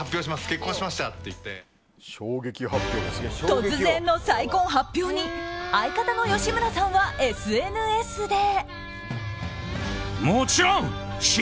突然の再婚発表に相方の吉村さんはＳＮＳで。